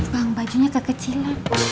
bang bajunya kekecilan